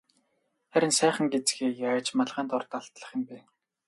Харин сайхан гэзгээ яаж малгайн дор далдлах юм бэ?